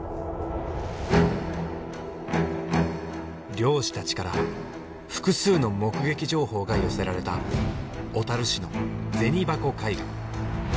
漁師たちから複数の目撃情報が寄せられた小樽市の銭函海岸。